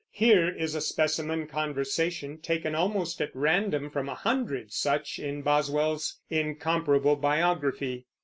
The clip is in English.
Here is a specimen conversation, taken almost at random from a hundred such in Boswell's incomparable biography.